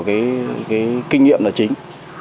cái kinh nghiệm là chính